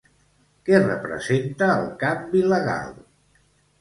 Què representa el canvi legal?